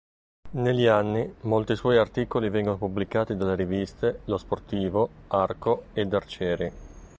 Negli anni, molti suoi articoli vengono pubblicati dalle riviste "Lo Sportivo", "Arco" ed "Arcieri".